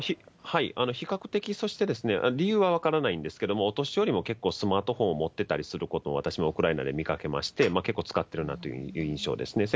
比較的、そして理由は分からないんですけども、お年寄りも結構、スマートフォンを持ってたりすることを、私もウクライナで見かけまして、結構使ってるなという印象ですね。